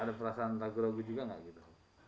ada perasaan raku raku juga gak gitu